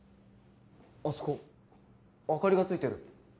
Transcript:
あそこ明かりがついてる。